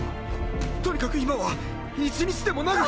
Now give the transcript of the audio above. とにかく今は一日でも長く。